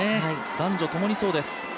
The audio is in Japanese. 男女ともにそうです。